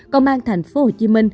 công an tp hcm